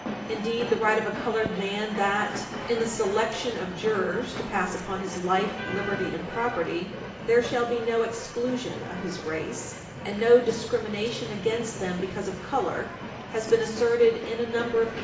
Indeed, the right of a colored man that, in the selection of jurors to pass upon his life, liberty and property, there shall be no exclusion of his race and no discrimination against them because of color has been asserted in a number of cases.